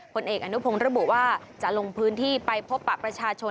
ผลเอกอนุพงศ์ระบุว่าจะลงพื้นที่ไปพบปะประชาชน